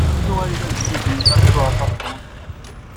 D acu ay la tesnuzuy Nna Lǧuheṛ Tabetṛunt?